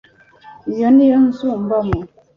Iyi niyo nzu mbamo